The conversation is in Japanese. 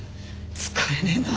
使えねえな！